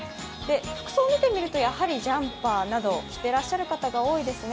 服装を見てみると、やはりジャンパーなどを着てらっしゃる方が多いですね。